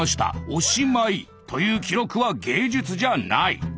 おしまい」という記録は芸術じゃない。